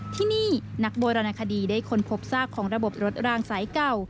ที่นี่นักโบราณคดีได้ค้นพบซากของระบบรถรางสายเก่า